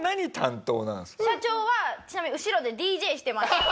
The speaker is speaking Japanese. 社長はちなみに後ろでＤＪしてました。